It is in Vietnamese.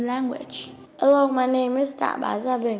xin chào tên tôi là tạ bá gia bình